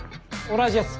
同じやつ。